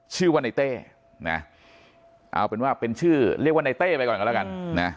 ชื่อว่าในเต้นะเอาเป็นว่าเป็นชื่อเรียกว่าในเต้ไปก่อนกันแล้วกันนะ